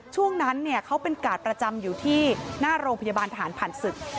ช่วงนั้นเขาเป็นกาดประจำอยู่ที่หน้าโรงพยาบาลทหารผ่านศึก